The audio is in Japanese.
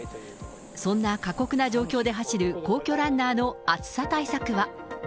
そんな過酷な状況で走る皇居ランナーの暑さ対策は。